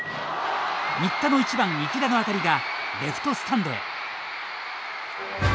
新田の１番池田の当たりがレフトスタンドへ。